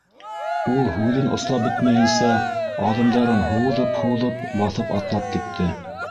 Ул, һүҙен ослап бөтмәйенсә, аҙымдарын һуҙып-һуҙып баҫып атлап китте.